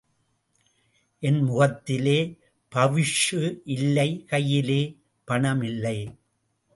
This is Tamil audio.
என் முகத்திலே பவிஷு இல்லை கையிலே பணம் இல்லை.